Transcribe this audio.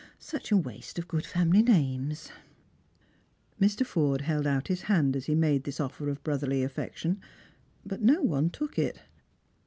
Such a waste of good family names !" Mr. Forde held out his hand as he made this offer of brotherly affection, but no one took it.